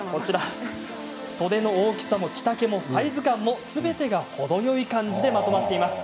袖の大きさも着丈もサイズ感もすべてが程よい感じでまとまっています。